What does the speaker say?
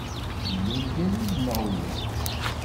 Yella lgazuz neɣ ulac?